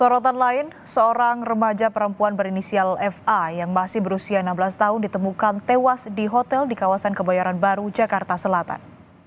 sorotan lain seorang remaja perempuan berinisial fa yang masih berusia enam belas tahun ditemukan tewas di hotel di kawasan kebayaran baru jakarta selatan